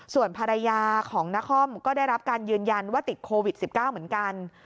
ส่วนภรรยาของนครก็ได้รับการยืนยันว่าติดโควิด๑๙เหมือนกัน